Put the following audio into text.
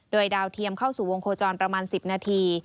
โดยดาวเทียมเข้าสู่วงโคจรประมาณ๑๐นาที